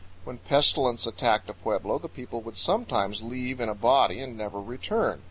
When pestilence attacked a pueblo the people would sometimes leave in a body and never return.